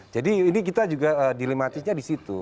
jadi ini kita juga dilematisnya di situ